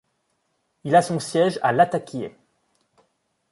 Il a son siège à Lattaquié.